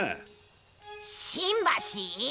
しんばし？